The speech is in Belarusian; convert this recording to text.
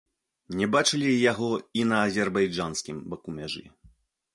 Не бачылі яго і на азербайджанскім баку мяжы.